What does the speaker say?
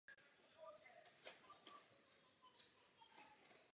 Oheň si vyžádal pět lidských životů.